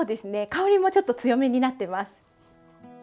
香りもちょっと強めになってます。